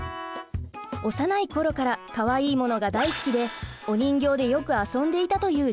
幼い頃からかわいいものが大好きでお人形でよく遊んでいたというりゅうちぇるさん。